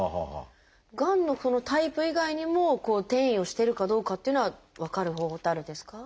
がんのタイプ以外にも転移をしてるかどうかっていうのは分かる方法ってあるんですか？